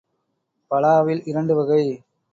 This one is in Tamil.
பலாவில் இரண்டு வகை.